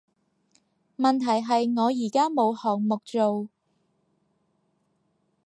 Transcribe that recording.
問題係我而家冇項目做